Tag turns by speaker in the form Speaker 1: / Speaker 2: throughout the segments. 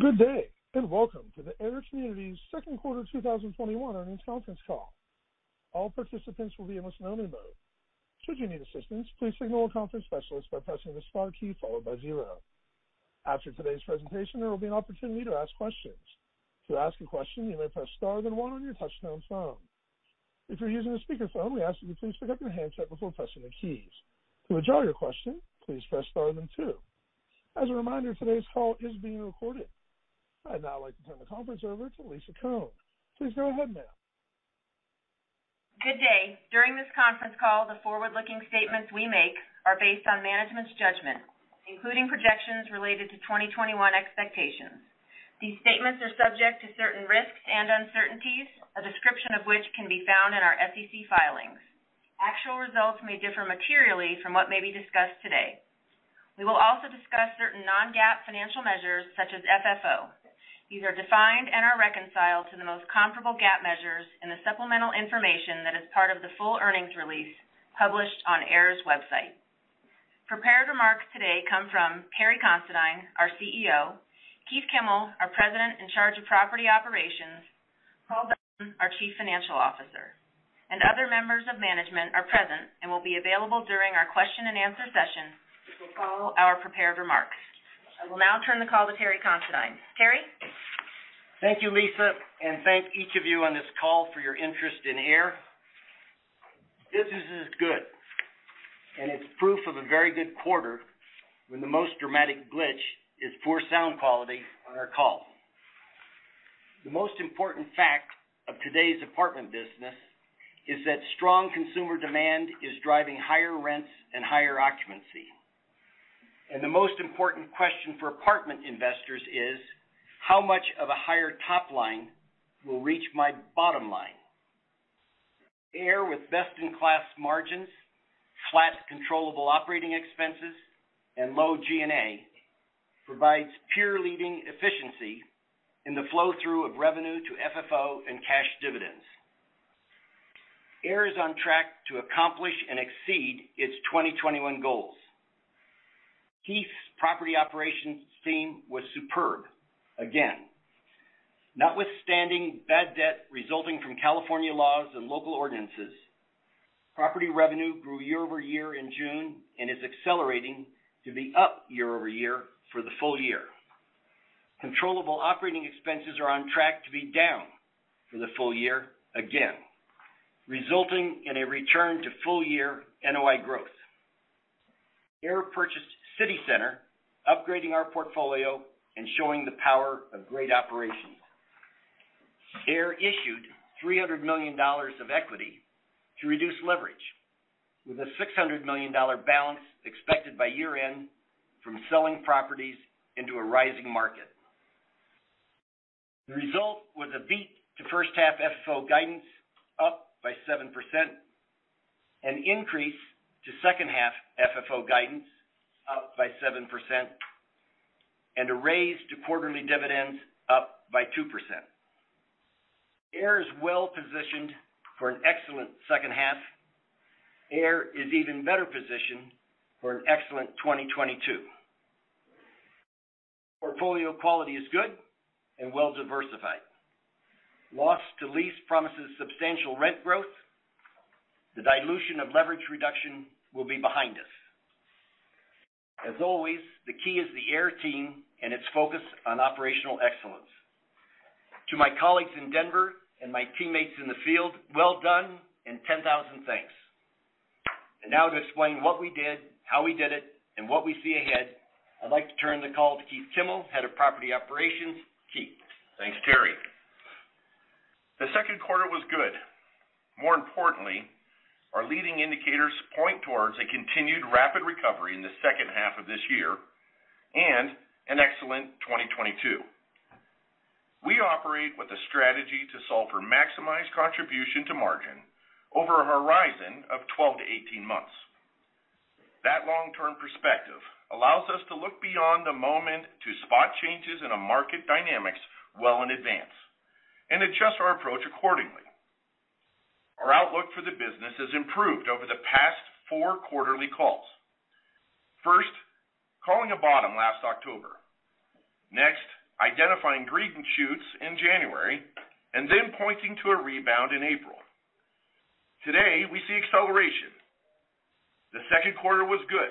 Speaker 1: Good day, welcome to the AIR Communities' second quarter 2021 earnings conference call. All participants will be in listen-only mode. Should you need assistance, please signal a conference specialist by pressing the star key followed by 0. After today's presentation, there will be an opportunity to ask questions. To ask a question, you may press star, then one on your touch-tone phone. If you're using a speakerphone, we ask that you please pick up your handset before pressing the keys. To withdraw your question, please press star, then two. As a reminder, today's call is being recorded. I'd now like to turn the conference over to Lisa Cohn. Please go ahead, ma'am.
Speaker 2: Good day. During this conference call, the forward-looking statements we make are based on management's judgment, including projections related to 2021 expectations. These statements are subject to certain risks and uncertainties, a description of which can be found in our SEC filings. Actual results may differ materially from what may be discussed today. We will also discuss certain non-GAAP financial measures, such as FFO. These are defined and are reconciled to the most comparable GAAP measures in the supplemental information that is part of the full earnings release published on AIR's website. Prepared remarks today come from Terry Considine, our CEO, Keith Kimmel, our President in charge of Property Operations, Paul Beldin, our Chief Financial Officer, and other members of management are present and will be available during our question-and-answer session, which will follow our prepared remarks. I will now turn the call to Terry Considine. Terry?
Speaker 3: Thank you, Lisa, and thank each of you on this call for your interest in AIR. Business is good. It's proof of a very good quarter when the most dramatic glitch is poor sound quality on our call. The most important fact of today's apartment business is that strong consumer demand is driving higher rents and higher occupancy, and the most important question for apartment investors is how much of a higher top line will reach my bottom line? AIR with best-in-class margins, flat controllable operating expenses, and low G&A provides peer-leading efficiency in the flow-through of revenue to FFO and cash dividends. AIR is on track to accomplish and exceed its 2021 goals. Keith's property operations team was superb again. Notwithstanding bad debt resulting from California laws and local ordinances, property revenue grew year-over-year in June and is accelerating to be up year-over-year for the full year. Controllable operating expenses are on track to be down for the full year again, resulting in a return to full-year NOI growth. AIR purchased City Center, upgrading our portfolio and showing the power of great operations. AIR issued $300 million of equity to reduce leverage, with a $600 million balance expected by year end from selling properties into a rising market. The result was a beat to first-half FFO guidance up by 7%, an increase to second-half FFO guidance up by 7%, and a raise to quarterly dividends up by 2%. AIR is well-positioned for an excellent second half. AIR is even better positioned for an excellent 2022. Portfolio quality is good and well-diversified. Loss to lease promises substantial rent growth. The dilution of leverage reduction will be behind us. As always, the key is the AIR team and its focus on operational excellence. To my colleagues in Denver and my teammates in the field, well done and 10,000 thanks. Now to explain what we did, how we did it, and what we see ahead, I'd like to turn the call to Keith Kimmel, Head of Property Operations. Keith?
Speaker 4: Thanks, Terry. The second quarter was good. More importantly, our leading indicators point towards a continued rapid recovery in the second half of this year and an excellent 2022. We operate with a strategy to solve for maximized contribution to margin over a horizon of 12-18 months. That long-term perspective allows us to look beyond the moment to spot changes in our market dynamics well in advance and adjust our approach accordingly. Our outlook for the business has improved over the past four quarterly calls. First, calling a bottom last October. Next, identifying green shoots in January, and then pointing to a rebound in April. Today, we see acceleration. The second quarter was good.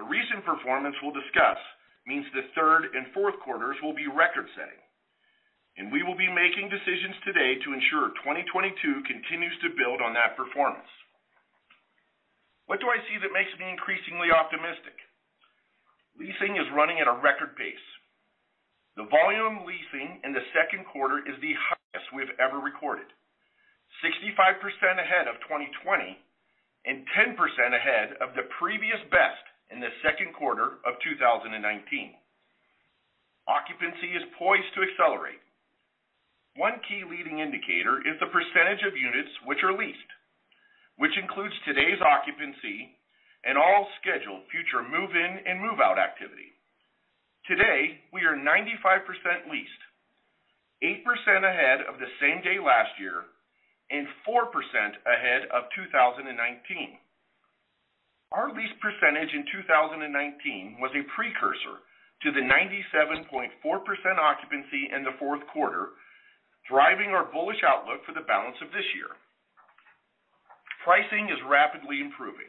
Speaker 4: The recent performance we'll discuss means the third and fourth quarters will be record-setting, and we will be making decisions today to ensure 2022 continues to build on that performance. What do I see that makes me increasingly optimistic? Leasing is running at a record pace. The volume of leasing in the second quarter is the highest we've ever recorded, 65% ahead of 2020 and 10% ahead of the previous best in the second quarter of 2019. Occupancy is poised to accelerate. One key leading indicator is the percentage of units which are leased, which includes today's occupancy and all scheduled future move-in and move-out activity. Today, we are 95% leased, 8% ahead of the same day last year, and 4% ahead of 2019. Our lease percentage in 2019 was a precursor to the 97.4% occupancy in the fourth quarter, driving our bullish outlook for the balance of this year. Pricing is rapidly improving.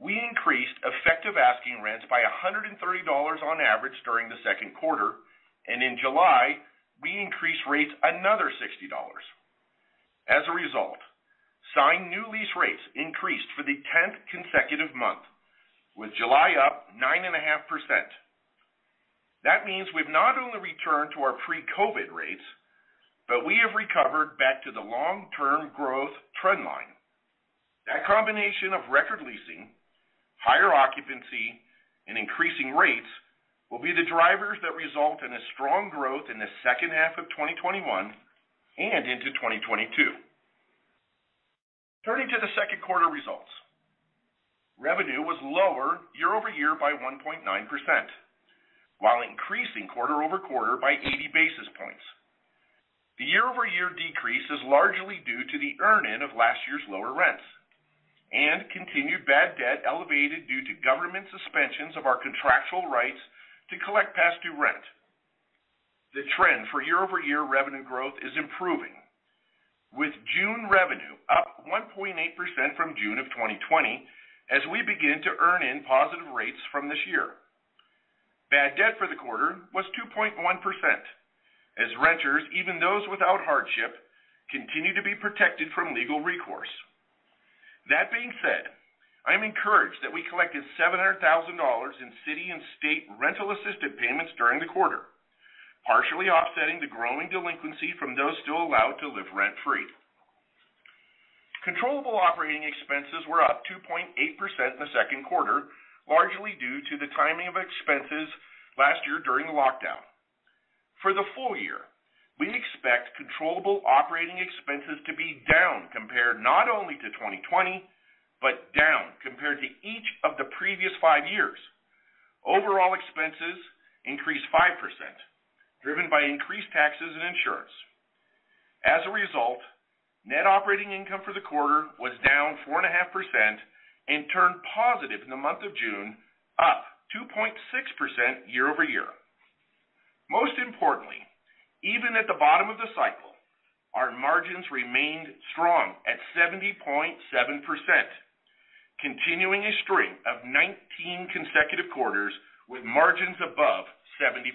Speaker 4: We increased effective asking rents by $130 on average during the second quarter, and in July, we increased rates another $60. As a result, signed new lease rates increased for the 10th consecutive month, with July up 9.5%. That means we've not only returned to our pre-COVID rates, but we have recovered back to the long-term growth trend line. That combination of record leasing, higher occupancy, and increasing rates will be the drivers that result in a strong growth in the second half of 2021 and into 2022. Turning to the second quarter results. Revenue was lower year-over-year by 1.9% while increasing quarter-over-quarter by 80 basis points. The year-over-year decrease is largely due to the earn-in of last year's lower rents and continued bad debt elevated due to government suspensions of our contractual rights to collect past due rent. The trend for year-over-year revenue growth is improving, with June revenue up 1.8% from June of 2020 as we begin to earn in positive rates from this year. Bad debt for the quarter was 2.1% as renters, even those without hardship, continue to be protected from legal recourse. That being said, I am encouraged that we collected $700,000 in city and state rental assistance payments during the quarter, partially offsetting the growing delinquency from those still allowed to live rent-free. Controllable operating expenses were up 2.8% in the second quarter, largely due to the timing of expenses last year during lockdown. For the full year, we expect controllable operating expenses to be down compared not only to 2020, but down compared to each of the previous five years. Overall expenses increased 5%, driven by increased taxes and insurance. As a result, net operating income for the quarter was down 4.5% and turned positive in the month of June, up 2.6% year-over-year. Most importantly, even at the bottom of the cycle, our margins remained strong at 70.7%, continuing a string of 19 consecutive quarters with margins above 70%.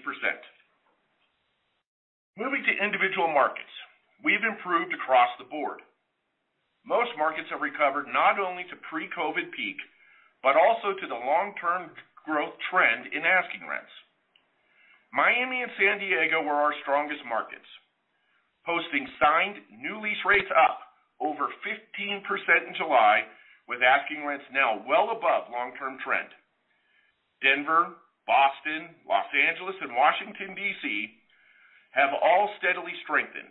Speaker 4: Moving to individual markets, we've improved across the board. Most markets have recovered not only to pre-COVID peak, but also to the long-term growth trend in asking rents. Miami and San Diego were our strongest markets, posting signed new lease rates up over 15% in July, with asking rents now well above long-term trend. Denver, Boston, Los Angeles, and Washington, D.C. have all steadily strengthened.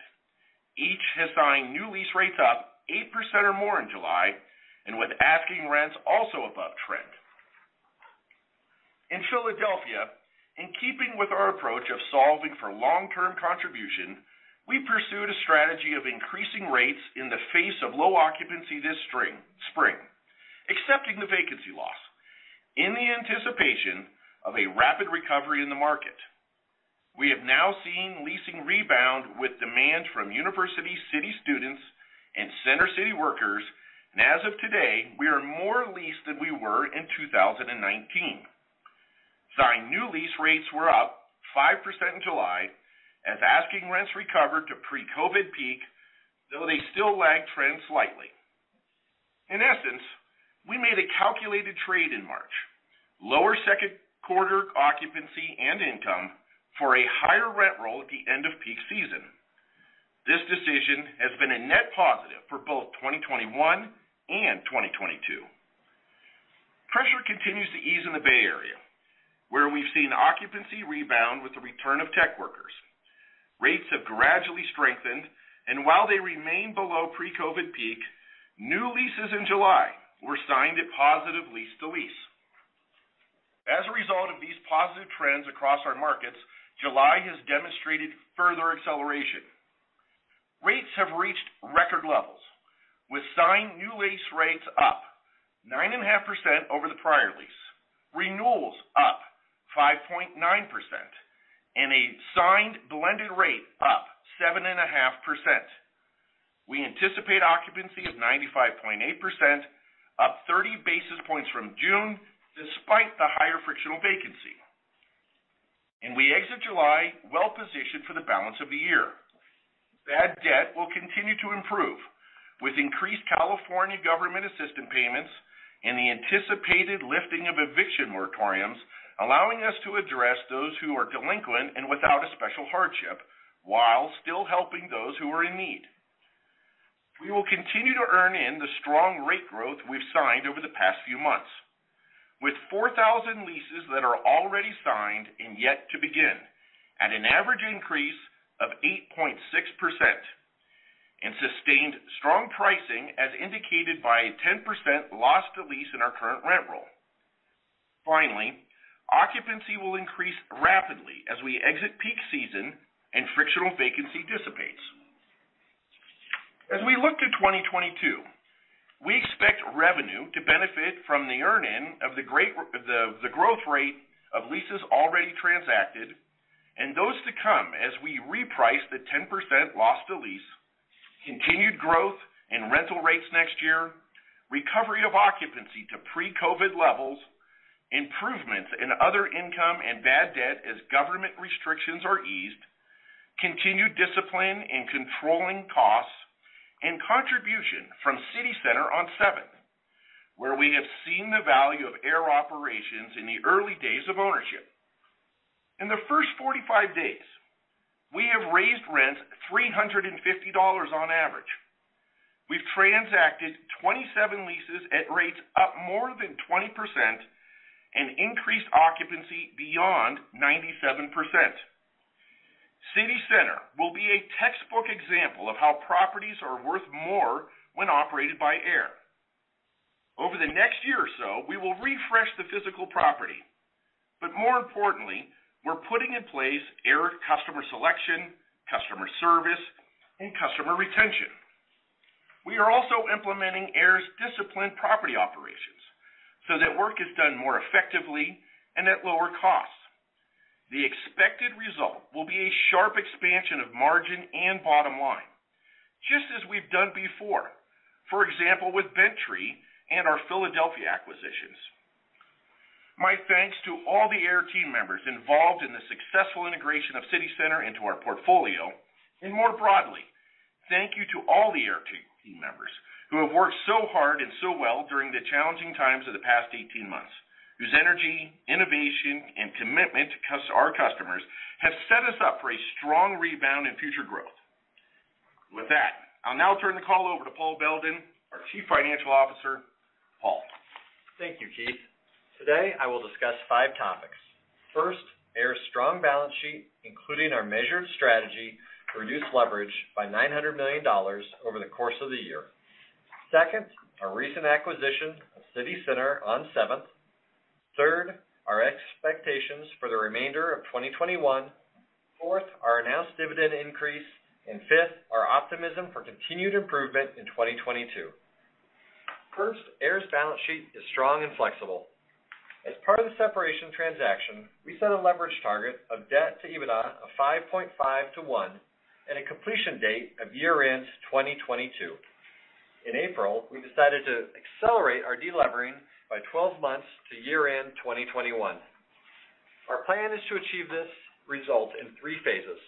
Speaker 4: Each has signed new lease rates up 8% or more in July, and with asking rents also above trend. In Philadelphia, in keeping with our approach of solving for long-term contribution, we pursued a strategy of increasing rates in the face of low occupancy this spring, accepting the vacancy loss in the anticipation of a rapid recovery in the market. We have now seen leasing rebound with demand from University City students and Center City workers. As of today, we are more leased than we were in 2019. Signed new lease rates were up 5% in July as asking rents recovered to pre-COVID peak, though they still lag trends slightly. In essence, we made a calculated trade in March. Lower second quarter occupancy and income for a higher rent roll at the end of peak season. This decision has been a net positive for both 2021 and 2022. Pressure continues to ease in the Bay Area, where we've seen occupancy rebound with the return of tech workers. Rates have gradually strengthened. While they remain below pre-COVID peak, new leases in July were signed at positive lease-to-lease. As a result of these positive trends across our markets, July has demonstrated further acceleration. Rates have reached record levels, with signed new lease rates up 9.5% over the prior lease, renewals up 5.9%, and a signed blended rate up 7.5%. We anticipate occupancy of 95.8%, up 30 basis points from June, despite the higher frictional vacancy. We exit July well-positioned for the balance of the year. Bad debt will continue to improve, with increased California government assistance payments and the anticipated lifting of eviction moratoriums, allowing us to address those who are delinquent and without a special hardship while still helping those who are in need. We will continue to earn in the strong rate growth we've signed over the past few months, with 4,000 leases that are already signed and yet to begin at an average increase of 8.6% and sustained strong pricing as indicated by a 10% loss to lease in our current rent roll. Finally, occupancy will increase rapidly as we exit peak season and frictional vacancy dissipates. As we look to 2022, we expect revenue to benefit from the earn-in of the growth rate of leases already transacted and those to come as we reprice the 10% loss to lease, continued growth in rental rates next year, recovery of occupancy to pre-COVID levels, improvements in other income and bad debt as government restrictions are eased, continued discipline in controlling costs, and contribution from City Center on 7th, where we have seen the value of AIR operations in the early days of ownership. In the first 45 days, we have raised rents $350 on average. We've transacted 27 leases at rates up more than 20% and increased occupancy beyond 97%. City Center will be a textbook example of how properties are worth more when operated by AIR. Over the next year or so, we will refresh the physical property, but more importantly, we're putting in place AIR customer selection, customer service, and customer retention. We are also implementing AIR's disciplined property operations so that work is done more effectively and at lower costs. The expected result will be a sharp expansion of margin and bottom line, just as we've done before, for example, with Bent Tree and our Philadelphia acquisitions. My thanks to all the AIR team members involved in the successful integration of City Center into our portfolio, and more broadly, thank you to all the AIR team members who have worked so hard and so well during the challenging times of the past 18 months, whose energy, innovation, and commitment to our customers have set us up for a strong rebound in future growth. With that, I'll now turn the call over to Paul Beldin, our Chief Financial Officer. Paul.
Speaker 5: Thank you, Keith. Today, I will discuss five topics. First, AIR's strong balance sheet, including our measured strategy to reduce leverage by $900 million over the course of the year. Second, our recent acquisition of City Center on 7th. Third, our expectations for the remainder of 2021. Fourth, our announced dividend increase. Fifth, our optimism for continued improvement in 2022. First, AIR's balance sheet is strong and flexible. As part of the separation transaction, we set a leverage target of debt to EBITDA of 5.5 to 1, and a completion date of year-end 2022. In April, we decided to accelerate our de-levering by 12 months to year-end 2021. Our plan is to achieve this result in three phases.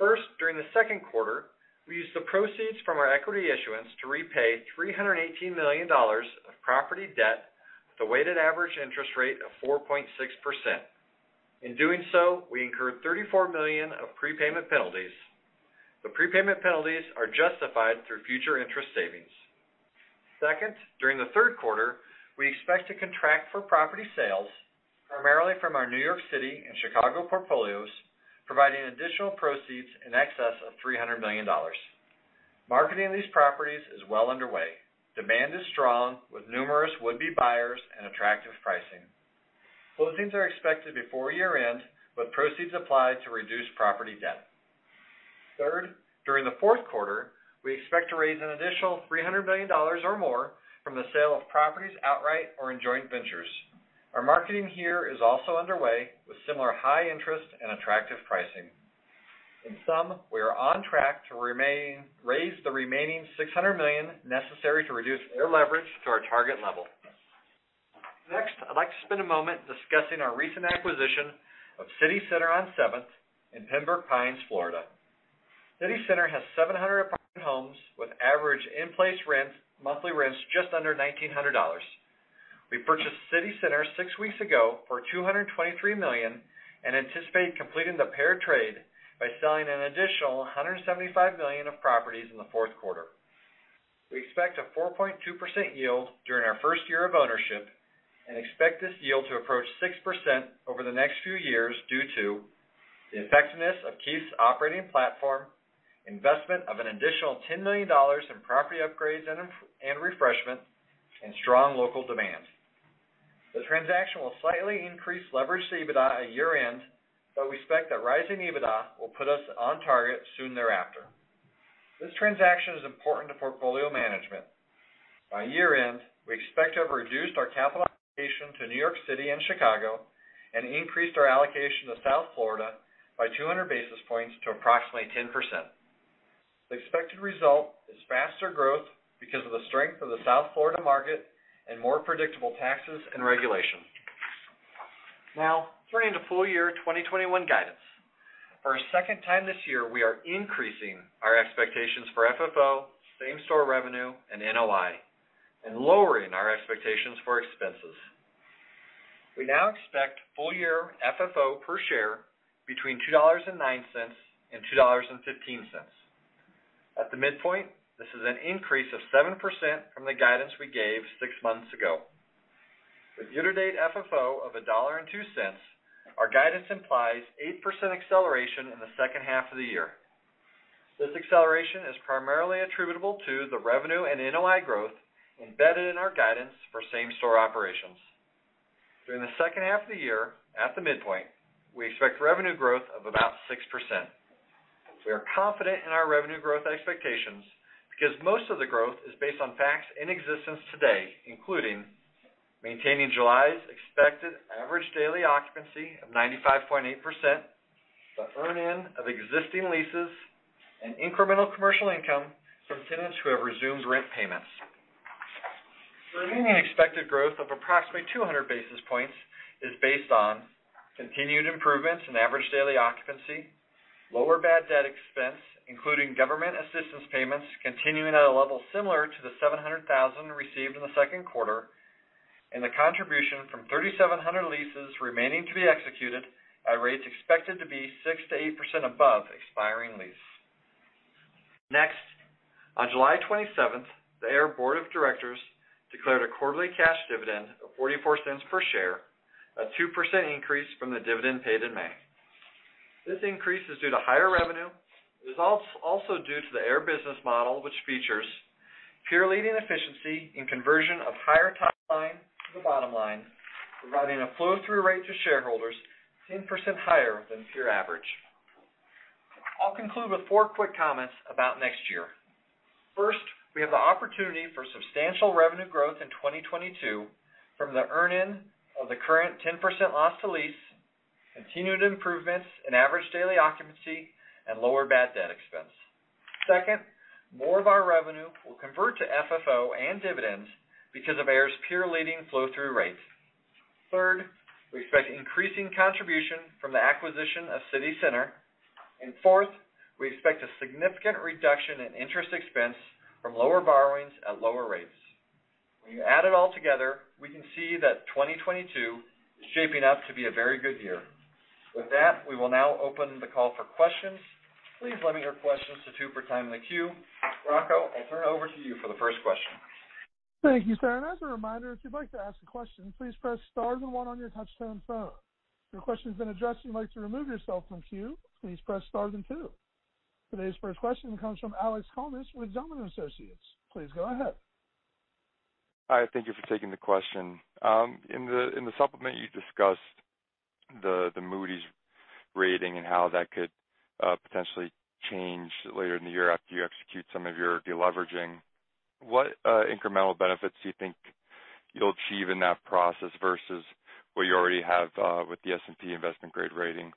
Speaker 5: First, during the second quarter, we used the proceeds from our equity issuance to repay $318 million of property debt with a weighted average interest rate of 4.6%. In doing so, we incurred $34 million of prepayment penalties. The prepayment penalties are justified through future interest savings. Second, during the third quarter, we expect to contract for property sales primarily from our New York City and Chicago portfolios, providing additional proceeds in excess of $300 million. Marketing these properties is well underway. Demand is strong with numerous would-be buyers and attractive pricing. Closings are expected before year-end, with proceeds applied to reduce property debt. Third, during the fourth quarter, we expect to raise an additional $300 million or more from the sale of properties outright or in joint ventures. Our marketing here is also underway with similar high interest and attractive pricing. In sum, we are on track to raise the remaining $600 million necessary to reduce our leverage to our target level. Next, I'd like to spend a moment discussing our recent acquisition of City Center on 7th in Pembroke Pines, Florida. City Center has 700 apartment homes with average in-place rents, monthly rents just under $1,900. We purchased City Center six weeks ago for $223 million and anticipate completing the pair trade by selling an additional $175 million of properties in the fourth quarter. We expect a 4.2% yield during our first year of ownership and expect this yield to approach 6% over the next few years due to the effectiveness of Keith's operating platform, investment of an additional $10 million in property upgrades and refreshment, and strong local demand. The transaction will slightly increase leverage to EBITDA at year end, but we expect that rising EBITDA will put us on target soon thereafter. This transaction is important to portfolio management. By year end, we expect to have reduced our capital allocation to New York City and Chicago and increased our allocation to South Florida by 200 basis points to approximately 10%. The expected result is faster growth because of the strength of the South Florida market and more predictable taxes and regulations. Now, turning to full year 2021 guidance. For our second time this year, we are increasing our expectations for FFO, same store revenue, and NOI, and lowering our expectations for expenses. We now expect full year FFO per share between $2.09 and $2.15. At the midpoint, this is an increase of 7% from the guidance we gave six months ago. With year-to-date FFO of $1.02, our guidance implies 8% acceleration in the second half of the year. This acceleration is primarily attributable to the revenue and NOI growth embedded in our guidance for same store operations. During the second half of the year, at the midpoint, we expect revenue growth of about 6%. We are confident in our revenue growth expectations because most of the growth is based on facts in existence today, including maintaining July's expected average daily occupancy of 95.8%, the earn-in of existing leases, and incremental commercial income from tenants who have resumed rent payments. The remaining expected growth of approximately 200 basis points is based on continued improvements in average daily occupancy, lower bad debt expense, including government assistance payments continuing at a level similar to the $700,000 received in the second quarter, and the contribution from 3,700 leases remaining to be executed at rates expected to be 6%-8% above expiring lease. Next, on July 27th, the AIR Board of Directors declared a quarterly cash dividend of $0.44 per share, a 2% increase from the dividend paid in May. This increase is due to higher revenue. It is also due to the AIR business model, which features peer-leading efficiency in conversion of higher top line to the bottom line, providing a flow-through rate to shareholders 10% higher than peer average. I'll conclude with four quick comments about next year. First, we have the opportunity for substantial revenue growth in 2022 from the earn-in of the current 10% loss to lease, continued improvements in average daily occupancy, and lower bad debt expense. Second, more of our revenue will convert to FFO and dividends because of AIR's peer-leading flow-through rates. Third, we expect increasing contribution from the acquisition of City Center. Fourth, we expect a significant reduction in interest expense from lower borrowings at lower rates. When you add it all together, we can see that 2022 is shaping up to be a very good year. With that, we will now open the call for questions. Please limit your questions to two per time in the queue. Rocco, I'll turn it over to you for the first question.
Speaker 1: Thank you, Paul. As a reminder, if you'd like to ask a question, please press star then one on your touch-tone phone. If your question's been addressed and you'd like to remove yourself from queue, please press star then two. Today's first question comes from Haendel St. Juste with Mizuho Securities. Please go ahead.
Speaker 6: Hi, thank you for taking the question. In the supplement you discussed the Moody's rating and how that could potentially change later in the year after you execute some of your de-leveraging. What incremental benefits do you think you'll achieve in that process versus what you already have with the S&P investment-grade rating?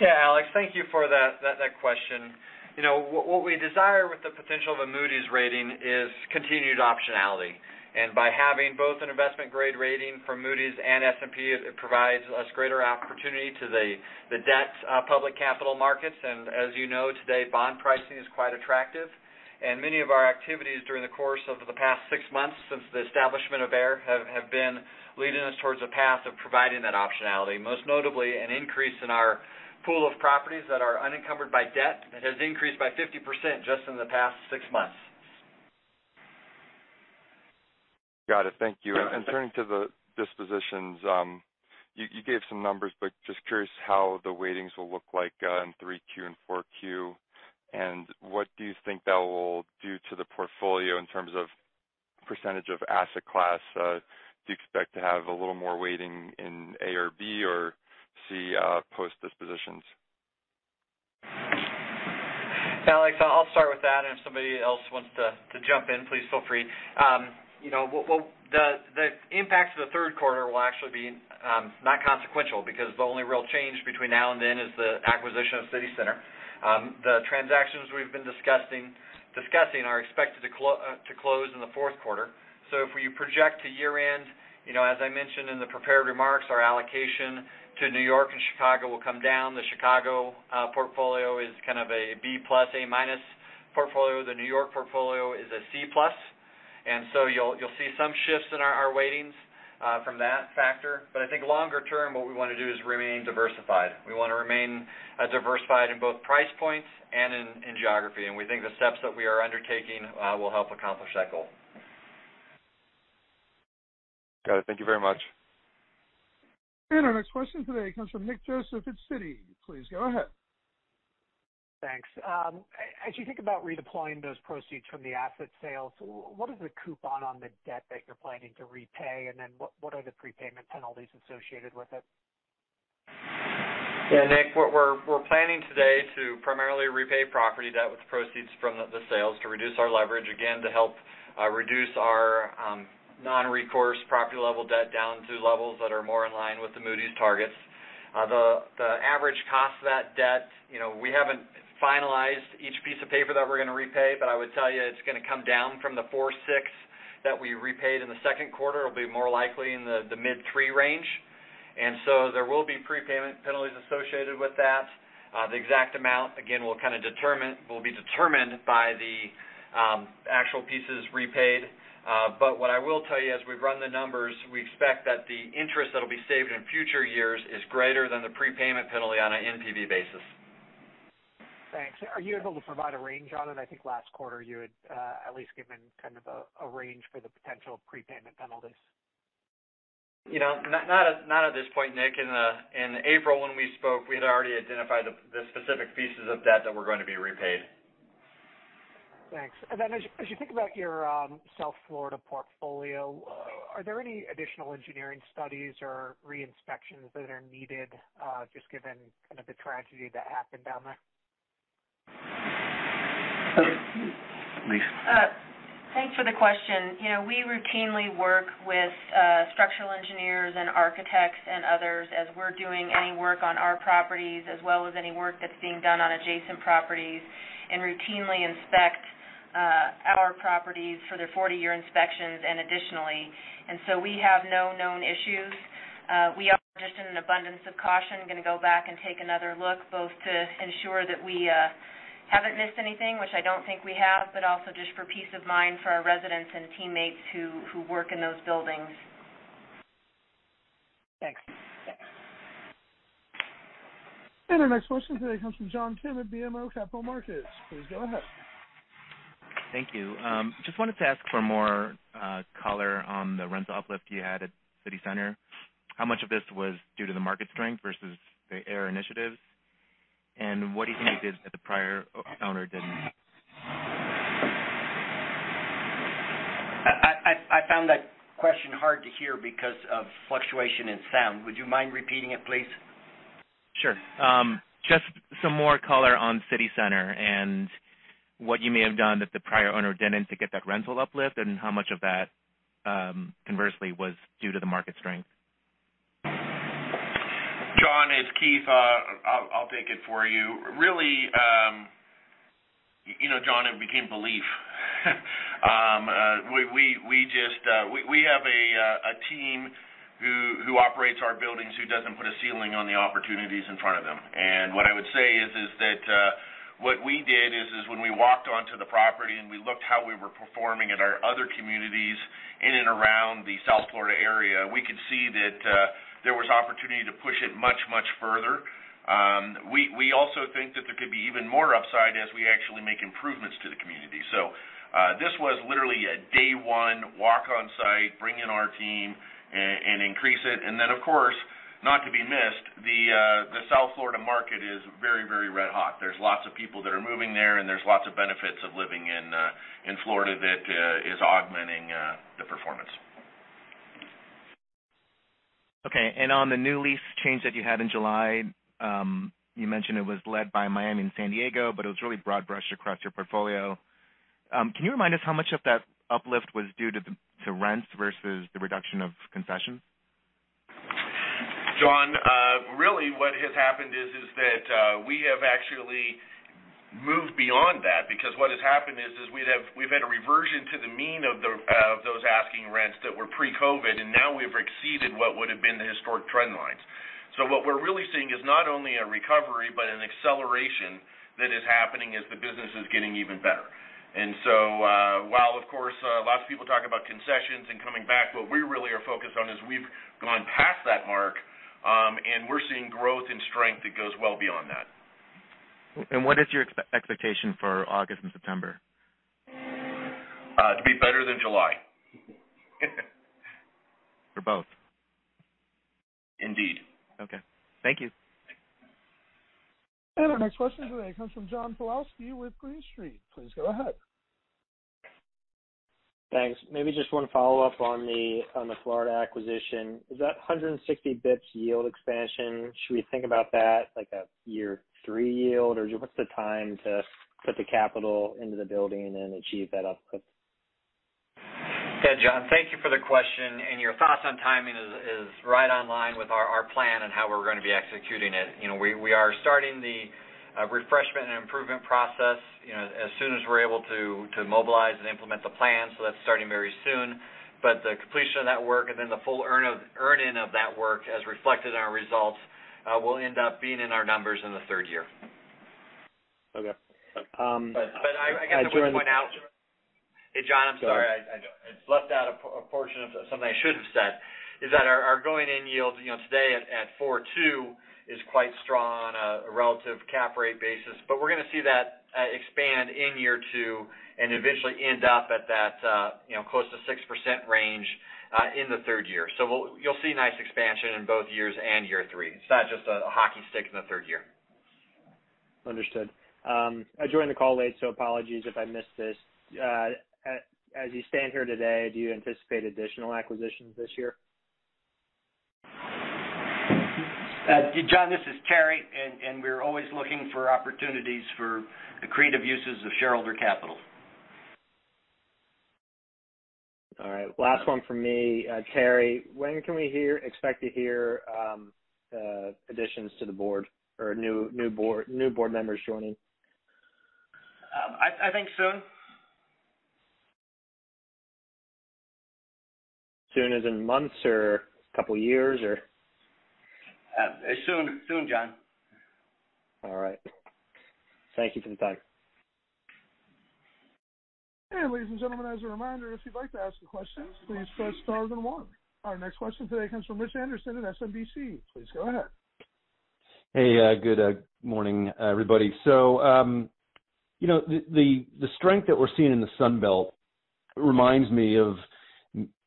Speaker 5: Yeah, Haendel, thank you for that question. What we desire with the potential of a Moody's rating is continued optionality. By having both an investment-grade rating from Moody's and S&P, it provides us greater opportunity to the debt public capital markets. As you know, today, bond pricing is quite attractive. Many of our activities during the course of the past six months since the establishment of AIR have been leading us towards a path of providing that optionality. Most notably, an increase in our pool of properties that are unencumbered by debt. It has increased by 50% just in the past six months.
Speaker 6: Got it. Thank you.
Speaker 5: Yeah.
Speaker 6: Turning to the dispositions, you gave some numbers, but just curious how the weightings will look like in 3Q and 4Q, and what do you think that will do to the portfolio in terms of percentage of asset class? Do you expect to have a little more weighting in A or B or C post-dispositions?
Speaker 5: Haendel, I'll start with that, and if somebody else wants to jump in, please feel free. The impact to the third quarter will actually be not consequential because the only real change between now and then is the acquisition of City Center. The transactions we've been discussing are expected to close in the fourth quarter. If we project to year-end, as I mentioned in the prepared remarks, our allocation to New York and Chicago will come down. The Chicago portfolio is kind of a B-plus, A-minus portfolio. The New York portfolio is a C-plus. You'll see some shifts in our weightings from that factor. I think longer term, what we want to do is remain diversified. We want to remain diversified in both price points and in geography, and we think the steps that we are undertaking will help accomplish that goal.
Speaker 6: Got it. Thank you very much.
Speaker 1: Our next question today comes from Nick Joseph at Citi. Please go ahead.
Speaker 7: Thanks. As you think about redeploying those proceeds from the asset sales, what is the coupon on the debt that you're planning to repay? What are the prepayment penalties associated with it?
Speaker 5: Yeah, Nick, we're planning today to primarily repay property debt with the proceeds from the sales to reduce our leverage, again, to help reduce our non-recourse property-level debt down to levels that are more in line with the Moody's targets. The average cost of that debt, we haven't finalized each piece of paper that we're going to repay, but I would tell you it's going to come down from the 4.6% that we repaid in the second quarter. It'll be more likely in the mid 3% range. There will be prepayment penalties associated with that. The exact amount, again, will be determined by the actual pieces repaid. What I will tell you, as we've run the numbers, we expect that the interest that'll be saved in future years is greater than the prepayment penalty on an NPV basis.
Speaker 7: Thanks. Are you able to provide a range on it? I think last quarter you had at least given kind of a range for the potential prepayment penalties.
Speaker 5: Not at this point, Nick. In April, when we spoke, we had already identified the specific pieces of debt that were going to be repaid.
Speaker 7: Thanks. As you think about your South Florida portfolio, are there any additional engineering studies or re-inspections that are needed just given the tragedy that happened down there?
Speaker 4: Lisa.
Speaker 2: Thanks for the question. We routinely work with structural engineers and architects and others as we're doing any work on our properties as well as any work that's being done on adjacent properties, and routinely inspect our properties for their 40-year inspections and additionally. We have no known issues. We are just in an abundance of caution, going to go back and take another look, both to ensure that we haven't missed anything, which I don't think we have, but also just for peace of mind for our residents and teammates who work in those buildings.
Speaker 7: Thanks.
Speaker 1: Our next question today comes from John Kim at BMO Capital Markets. Please go ahead.
Speaker 8: Thank you. Just wanted to ask for more color on the rental uplift you had at City Center. How much of this was due to the market strength versus the AIR initiatives, and what do you think you did that the prior owner didn't?
Speaker 3: I found that question hard to hear because of fluctuation in sound. Would you mind repeating it, please?
Speaker 8: Sure. Just some more color on City Center and what you may have done that the prior owner didn't to get that rental uplift, and how much of that, conversely, was due to the market strength.
Speaker 4: John, it's Keith. I'll take it for you. Really, John, it became belief. We have a team who operates our buildings who doesn't put a ceiling on the opportunities in front of them. What I would say is that what we did is when we walked onto the property, and we looked how we were performing at our other communities in and around the South Florida area, we could see that there was opportunity to push it much, much further. We also think that there could be even more upside as we actually make improvements to the community. This was literally a day one walk on site, bring in our team, and increase it. Of course, not to be missed, the South Florida market is very, very red hot. There's lots of people that are moving there, and there's lots of benefits of living in Florida that is augmenting the performance.
Speaker 8: Okay, on the new lease change that you had in July, you mentioned it was led by Miami and San Diego, but it was really broad-brushed across your portfolio. Can you remind us how much of that uplift was due to rents versus the reduction of concessions?
Speaker 4: John, really what has happened is that we have actually moved beyond that, because what has happened is we've had a reversion to the mean of those asking rents that were pre-COVID, and now we've exceeded what would have been the historic trend lines. What we're really seeing is not only a recovery but an acceleration that is happening as the business is getting even better. While, of course, lots of people talk about concessions and coming back, what we really are focused on is we've gone past that mark, and we're seeing growth and strength that goes well beyond that.
Speaker 8: What is your expectation for August and September?
Speaker 4: To be better than July.
Speaker 8: For both?
Speaker 4: Indeed.
Speaker 8: Okay. Thank you.
Speaker 1: Our next question today comes from John Pawlowski with Green Street. Please go ahead.
Speaker 9: Thanks. Maybe just one follow-up on the Florida acquisition. Is that 160 basis points yield expansion, should we think about that like a year three yield, or what's the time to put the capital into the building and achieve that uplift?
Speaker 5: Yeah, John, thank you for the question. Your thoughts on timing is right on line with our plan and how we're going to be executing it. We are starting the refreshment and improvement process as soon as we're able to mobilize and implement the plan, that's starting very soon. The completion of that work and then the full earn-in of that work as reflected in our results will end up being in our numbers in the third year.
Speaker 9: Okay.
Speaker 5: Hey, John, I'm sorry. I left out a portion of something I should have said, is that our going-in yield today at 4.2% is quite strong on a relative cap rate basis. We're going to see that expand in year two and eventually end up at that close to 6% range in the third year. You'll see nice expansion in both years and year thee. It's not just a hockey stick in the third year.
Speaker 9: Understood. I joined the call late. Apologies if I missed this. As you stand here today, do you anticipate additional acquisitions this year?
Speaker 3: John, this is Terry. We're always looking for opportunities for creative uses of shareholder capital.
Speaker 9: All right. Last one from me. Terry, when can we expect to hear additions to the board or new board members joining?
Speaker 3: I think soon.
Speaker 9: Soon as in months or a couple of years, or?
Speaker 3: Soon, John.
Speaker 9: All right. Thank you for the time.
Speaker 1: Ladies and gentlemen, as a reminder, if you'd like to ask a question, please press star then one. Our next question today comes from Rich Anderson at SMBC. Please go ahead.
Speaker 10: Hey. Good morning, everybody. The strength that we're seeing in the Sun Belt. It reminds me of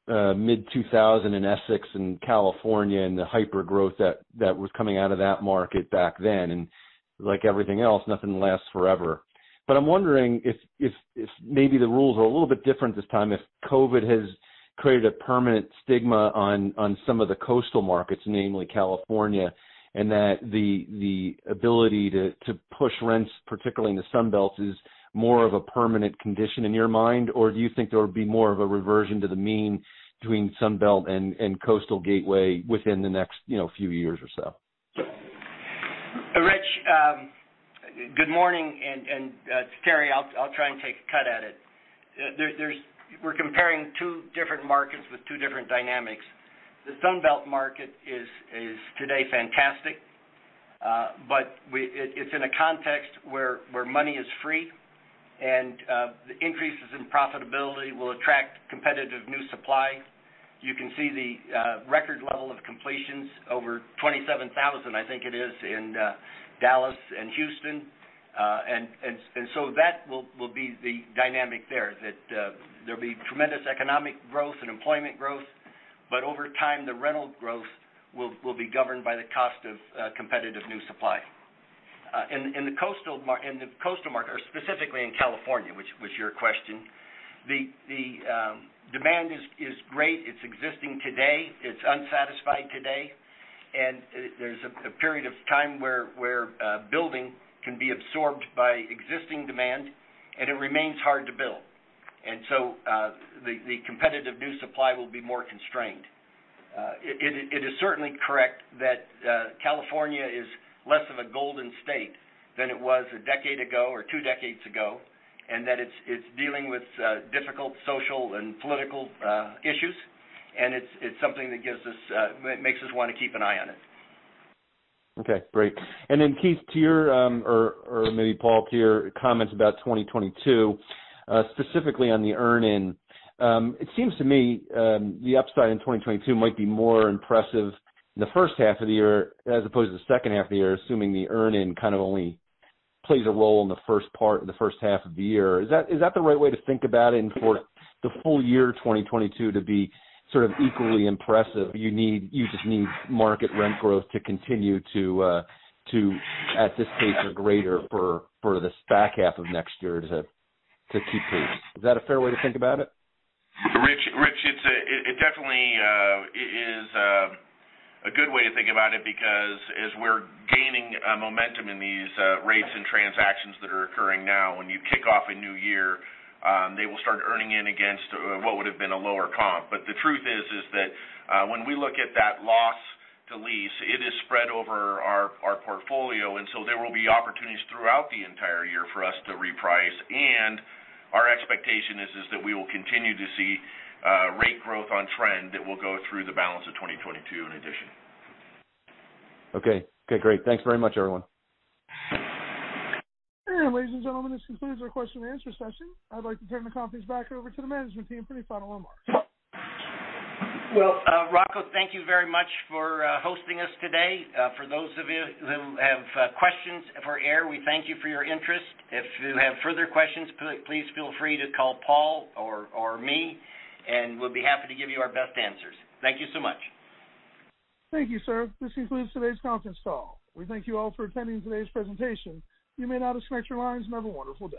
Speaker 10: mid-2,000 in Essex and California and the hyper-growth that was coming out of that market back then. Like everything else, nothing lasts forever. I'm wondering if maybe the rules are a little bit different this time, if COVID has created a permanent stigma on some of the coastal markets, namely California, and that the ability to push rents, particularly in the Sun Belt, is more of a permanent condition in your mind, or do you think there would be more of a reversion to the mean between Sun Belt and Coastal Gateway within the next few years or so?
Speaker 4: Rich, good morning. To Terry, I'll try and take a cut at it. We're comparing two different markets with two different dynamics. The Sun Belt market is today fantastic, but it's in a context where money is free and the increases in profitability will attract competitive new supply. You can see the record level of completions, over 27,000, I think it is, in Dallas and Houston. That will be the dynamic there, that there'll be tremendous economic growth and employment growth. Over time, the rental growth will be governed by the cost of competitive new supply. In the coastal market, or specifically in California, which was your question, the demand is great. It's existing today. It's unsatisfied today. There's a period of time where building can be absorbed by existing demand, and it remains hard to build.
Speaker 3: The competitive new supply will be more constrained. It is certainly correct that California is less of a Golden State than it was a decade ago or two decades ago, and that it's dealing with difficult social and political issues. It's something that makes us want to keep an eye on it.
Speaker 10: Okay. Great. Keith, to your, or maybe Paul, to your comments about 2022, specifically on the earn-in. It seems to me, the upside in 2022 might be more impressive in the first half of the year as opposed to the second half of the year, assuming the earn-in kind of only plays a role in the first half of the year. Is that the right way to think about it? For the full year 2022 to be sort of equally impressive, you just need market rent growth to continue to, at this pace or greater, for the back half of next year to keep pace. Is that a fair way to think about it?
Speaker 4: Rich, it definitely is a good way to think about it because as we're gaining momentum in these rates and transactions that are occurring now, when you kick off a new year, they will start earning in against what would have been a lower comp. The truth is that when we look at that loss to lease, it is spread over our portfolio. There will be opportunities throughout the entire year for us to reprice. Our expectation is that we will continue to see rate growth on trend that will go through the balance of 2022 in addition.
Speaker 10: Okay. Great. Thanks very much, everyone.
Speaker 1: Ladies and gentlemen, this concludes our question and answer session. I'd like to turn the conference back over to the management team for any final remarks.
Speaker 3: Well, Rocco, thank you very much for hosting us today. For those of you who have questions for AIR, we thank you for your interest. If you have further questions, please feel free to call Paul or me, and we'll be happy to give you our best answers. Thank you so much.
Speaker 1: Thank you, sir. This concludes today's conference call. We thank you all for attending today's presentation. You may now disconnect your lines and have a wonderful day.